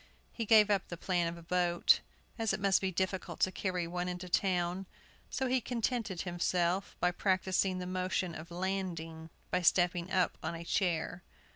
He gave up the plan of a boat, as it must be difficult to carry one into town; so he contented himself by practising the motion of landing by stepping up on a chair.